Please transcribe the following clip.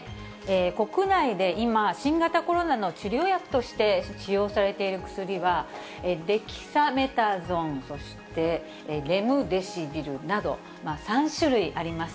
国内で今、新型コロナの治療薬として使用されている薬は、デキサメタゾン、そしてレムデシビルなど、３種類あります。